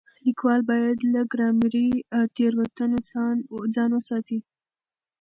ليکوال بايد له ګرامري تېروتنو ځان وساتي.